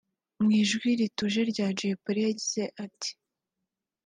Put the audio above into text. Mu ijwi rituje Jay Polly yagize ati